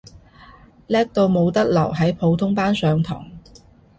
叻到冇得留喺普通班上堂